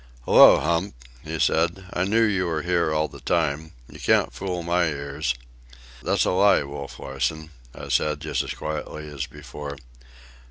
"Hello, Hump," he said. "I knew you were here all the time. You can't fool my ears." "That's a lie, Wolf Larsen," I said, just as quietly as before.